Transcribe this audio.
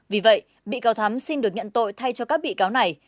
vì vậy bị cáo thắm xin được nhận tội thay cho các bị cáo này